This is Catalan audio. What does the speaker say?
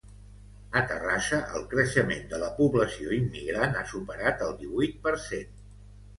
A Terrassa el creixement de la població immigrant ha superat el divuit per cent